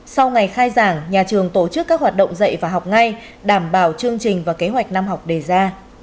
sau ngày khai giảng nhà trường tổ chức các hoạt động dạy và học ngay đảm bảo chương trình và kế hoạch năm học đề ra